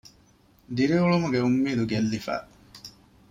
ދިރިއުޅުމުގެ އުންމީދު ގެއްލިފަ